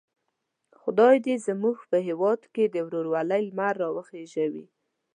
خدای دې زموږ په هیواد کې د ورورولۍ لمر را وخېژوي.